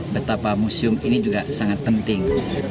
betapa museum ini juga sangat penting